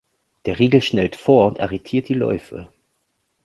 Der Riegel schnellt vor und arretiert die Läufe.